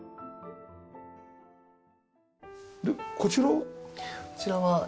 でこちらは？